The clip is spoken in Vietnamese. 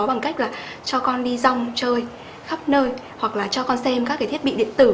bằng cách là cho con đi dòng chơi khắp nơi hoặc là cho con xem các cái thiết bị điện tử